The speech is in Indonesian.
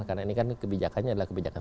karena ini kan kebijakannya adalah kebijakan